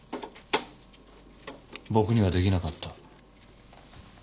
僕にはできなかった。